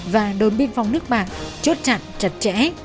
và đồn biên phòng nước bạc chốt chặn chặt chẽ